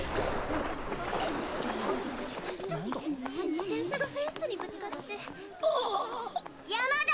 自転車がフェンスにぶつかっ山田！